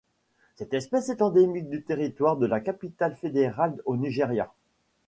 Cette espèce est endémique du territoire de la capitale fédérale au Nigeria.